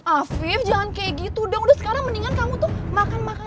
afif jangan kayak gitu dong udah sekarang mendingan kamu tuh makan makan